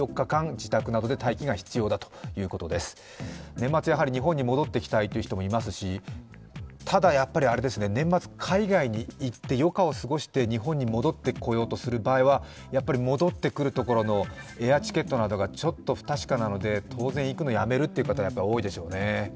年末やはり日本に戻ってきたいという方もいますしただやっぱり年末、海外に行って余暇を過ごして日本に戻ってこようとする場合は、戻ってくるところのエアチケットなどがちょっと不確かなので、当然行くのをやめるという方やっぱり多いでしょうね。